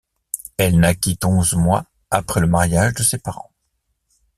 Elle naquit onze mois après le mariage de ses parents.